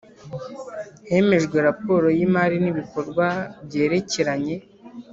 Hemejwe raporo y imari n ibikorwa byerekeranye